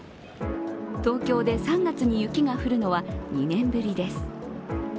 東京で３月に雪が降るのは２年ぶりです。